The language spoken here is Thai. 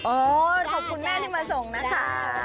ขอบคุณแม่ที่มาส่งนะคะ